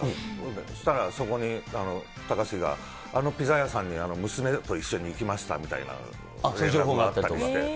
そうしたらそこに隆が、あのピザ屋さんに娘と一緒に行きましたみたいな連絡があったりとかして。